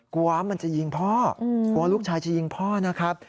กลัวว่ามันจะยิงพ่อกลัวลูกชายจะยิงพ่อนะครับ